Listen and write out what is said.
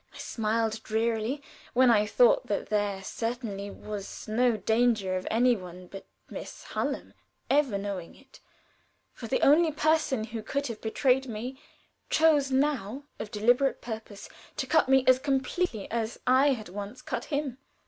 I smiled drearily when I thought that there certainly was no danger of any one but Miss Hallam ever knowing it, for the only person who could have betrayed me chose now, of deliberate purpose, to cut me as completely as I had once cut him.